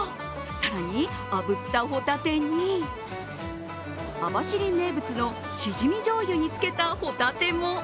更に、あぶったホタテに網走名物のシジミしょうゆにつけたホタテも。